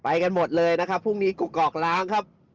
ไปกันหมดเลยพรุ่งนี้กุ๊กก็อกล้าง